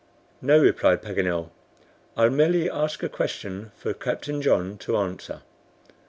"No," replied Paganel, "I'll merely ask a question for Captain John to answer."